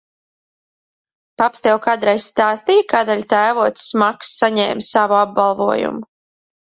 Paps tev kādreiz stāstīja, kādēļ tēvocis Maks saņēma savu apbalvojumu?